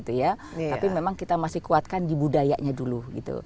tapi memang kita masih kuatkan di budayanya dulu gitu